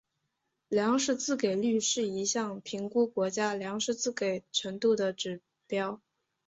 粮食自给率是一项评估国家粮食自给程度的指标。